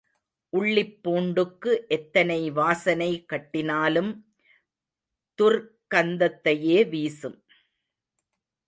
உள்ளிப் பூண்டுக்கு எத்தனை வாசனை கட்டினாலும் துர்க்கந்தத்தையே வீசும்.